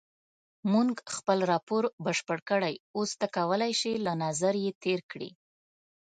مونږ خپل راپور بشپړ کړی اوس ته کولای شې له نظر یې تېر کړې.